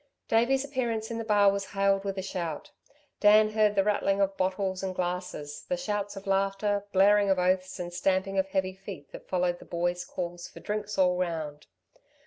Davey's appearance in the bar was hailed with a shout. Dan heard the rattling of bottles and glasses, the shouts of laughter, blaring of oaths and stamping of heavy feet that followed the boy's call for drinks all round.